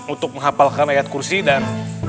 untuk menghapalkan ayat kursi dan